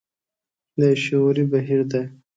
دا يو شعوري بهير دی.